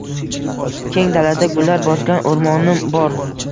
Keng dalada gullar bosgan o’rmonim bor